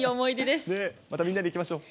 またみんなで行きましょう。